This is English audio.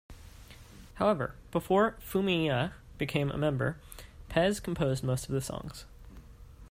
However, before Fumiya became a member, Pes composed most of the songs.